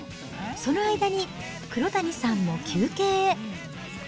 その間に、黒谷さんも休憩へ。